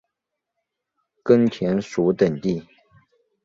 根田鼠等地。